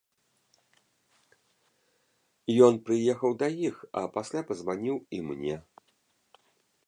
Ён прыехаў да іх, а пасля пазваніў і мне.